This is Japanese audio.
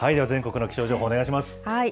全国の気象情報、お願いします。